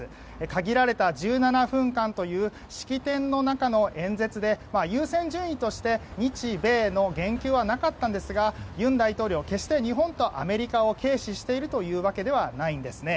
限られた１７分間という式典の中の演説で優先順位として、日米の言及はなかったんですが尹大統領、決して日本とアメリカを軽視しているわけではないんです。